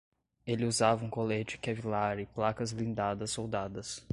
Ele usava um colete kevlar e placas blindadas soldadas